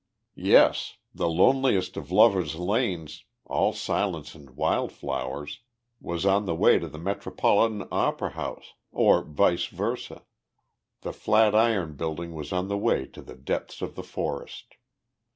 Yes! the loneliest of lovers' lanes, all silence and wild flowers, was on the way to the Metropolitan Opera House; or, vice versa, the Flat Iron Building was on the way to the depths of the forest.